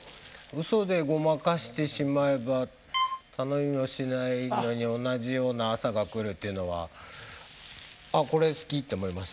「嘘でごまかしてしまえばたのみもしないのに同じ様な朝が来る」っていうのは「あこれ好き」って思いました。